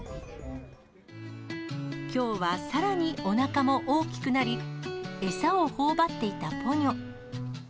きょうはさらにおなかも大きくなり、餌をほおばっていたポニョ。